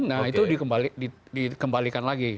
nah itu dikembalikan lagi